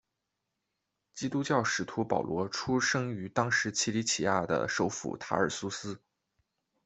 基督教使徒保罗出生于当时奇里乞亚的首府塔尔苏斯。